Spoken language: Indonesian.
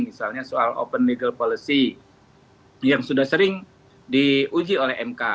misalnya soal open legal policy yang sudah sering diuji oleh mk